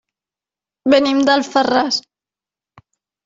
Venim d'Alfarràs.